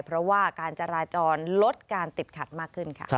เพราะว่าการจราจรลดการติดขัดมากขึ้นค่ะ